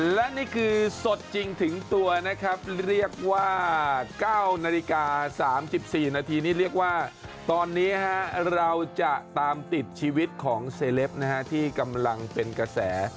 และนี่คือสดจริงถึงตัวนะครับเรียกว่า๙นาฬิกา๓๔นาทีนี่เรียกว่าตอนนี้เราจะตามติดชีวิตของเซเลปนะฮะที่กำลังเป็นกระแส